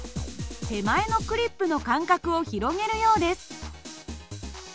手前のクリップの間隔を広げるようです。